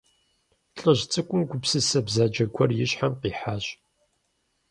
ЛӀыжь цӀыкӀум гупсысэ бзаджэ гуэр и щхьэм къихьащ.